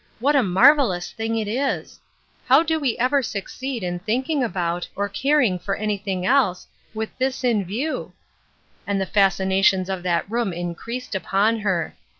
What a marvelous thing it is ! How do we ever succeed in thinking about, or caring for anything else, with this in view ?" And the fascinations of that room in creased upon her.